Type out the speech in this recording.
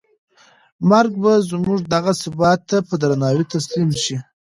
مرګ به زموږ دغه ثبات ته په درناوي تسلیم شي.